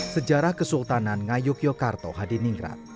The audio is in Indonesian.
sejarah kesultanan ngayuk yogyakarta hadiningrat